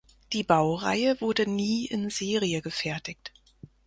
Die Baureihe wurde nie in Serie gefertigt.